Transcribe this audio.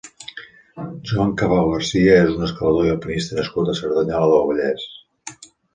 Joan Cabau García és un escalador i alpinista nascut a Cerdanyola del Vallès.